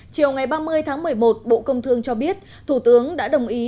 chiều ngày ba mươi tháng một mươi một bộ công thương cho biết thủ tướng đã đồng ý